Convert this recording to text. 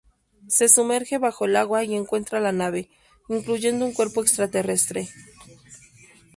Se sumerge bajo el agua y encuentra la nave, incluyendo un cuerpo extraterrestre.